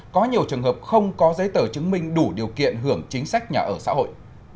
có nhiều trường hợp không có giấy tờ chứng minh đủ điều kiện hưởng chính sách nhà ở xã hội